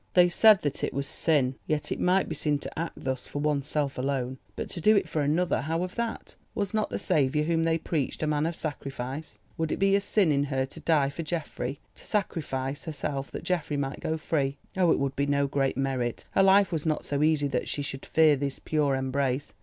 They said that it was sin. Yes, it might be sin to act thus for oneself alone. But to do it for another—how of that! Was not the Saviour whom they preached a Man of Sacrifice? Would it be a sin in her to die for Geoffrey, to sacrifice herself that Geoffrey might go free? Oh, it would be no great merit. Her life was not so easy that she should fear this pure embrace.